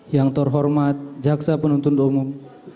yang terhormat jaksa penuntut umum